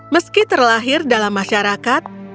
meski terlahir dalam masyarakat